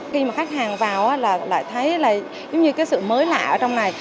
khi mà khách hàng vào là thấy như sự mới lạ ở trong này